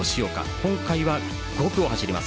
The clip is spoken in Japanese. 今回は５区を走ります。